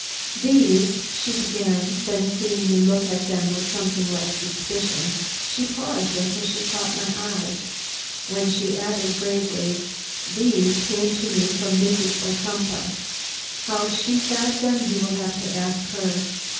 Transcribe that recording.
"These " she began; then, seeing me look at them with something like suspicion, she paused until she caught my eye, when she added gravely, "these came to me from Mrs. Ocumpaugh. How she got them you will have to ask her.